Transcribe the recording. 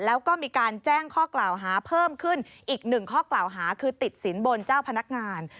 แล้วก็มีการแจ้งข้อกล่าวหาเพิ่มขึ้นอีกหนึ่งข้อกล่าวหาคือติดสินบนเจ้าพนักงาน